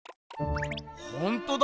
ほんとだ！